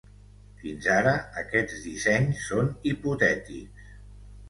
Fins ara aquests dissenys són hipotètics.